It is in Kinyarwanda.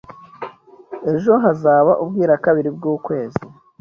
Ejo hazaba ubwirakabiri bwukwezi.